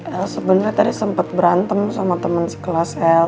el sebenernya tadi sempet berantem sama temen si kelas el